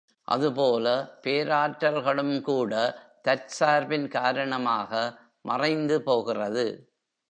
அது போல, பேராற்றல்களும் கூட, தற்சார்பின் காரணமாக மறைந்து போகிறது.